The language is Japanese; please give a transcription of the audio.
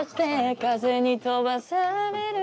「風に飛ばされる欠片に」